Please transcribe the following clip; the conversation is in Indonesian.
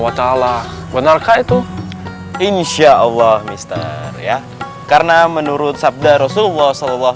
wa ta'ala benarkah itu insyaallah mister ya karena menurut sabda rasulullah